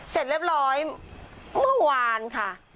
เสร็จเรียบร้อยเมื่อวานค่ะ